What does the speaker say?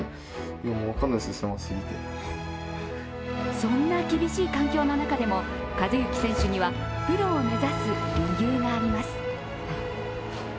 そんな厳しい環境の中でも寿志選手にはプロを目指す理由があります。